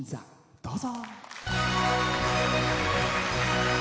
どうぞ。